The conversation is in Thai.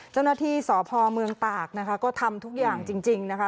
เจ้าหน้าที่สพเมืองตากนะคะก็ทำทุกอย่างจริงนะคะ